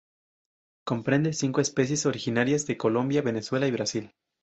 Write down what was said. Comprende cinco especies originarias de Colombia, Venezuela y Brasil.